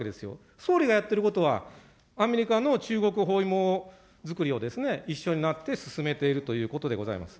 総理がやっていることは、アメリカの中国包囲網づくりを一緒になって進めているということでございます。